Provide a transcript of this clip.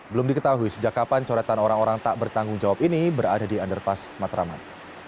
belum diketahui sejak kapan coretan orang orang tak bertanggung jawab ini berada di underpass matraman